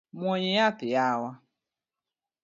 Muony yath yawa.